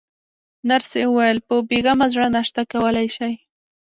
نرسې وویل: په بې غمه زړه ناشته کولای شئ.